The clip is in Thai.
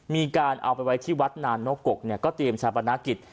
มีการเอาไปไว้ที่วัดนานนกกก็เตรียมชาปนากิจ